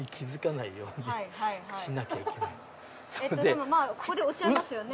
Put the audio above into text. でもここで落ち合いますよね？